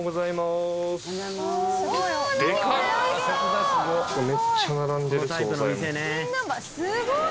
「すごい！」